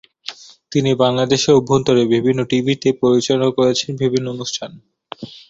তিনি বাংলাদেশের অভ্যন্তরে বিভিন্ন টিভিতে পরিচালনা করেছেন বিভিন্ন অনুষ্ঠান।